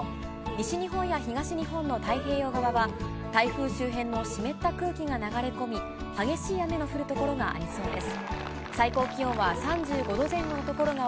西日本や東日本の太平洋側は、台風周辺の湿った空気が流れ込み、激しい雨が降る所がありそうです。